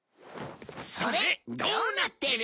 それどうなってる？